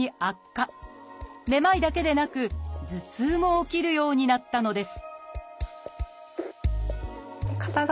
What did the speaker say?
めまいだけでなく頭痛も起きるようになったのです